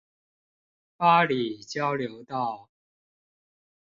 八里交流道